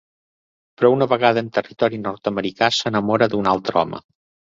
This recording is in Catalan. Però una vegada en territori nord-americà, s'enamora d'un altre home.